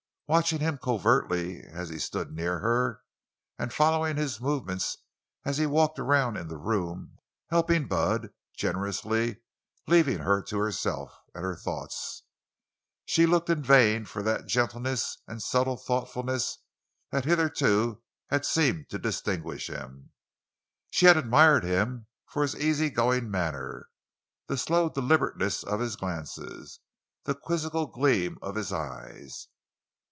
Watching him covertly as he stood near her, and following his movements as he walked around in the room, helping Bud, generously leaving her to herself and her thoughts, she looked in vain for that gentleness and subtle thoughtfulness that hitherto had seemed to distinguish him. She had admired him for his easy going manner, the slow deliberateness of his glances, the quizzical gleam of his eyes.